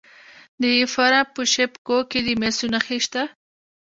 د فراه په شیب کوه کې د مسو نښې شته.